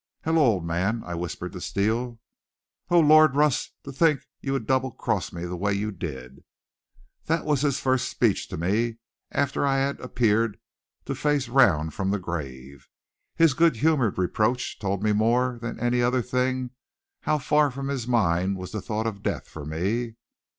"Hello, old man," I whispered to Steele. "Oh, Lord, Russ, to think you would double cross me the way you did!" That was his first speech to me after I had appeared to face round from the grave. His good humored reproach told me more than any other thing how far from his mind was thought of death for me.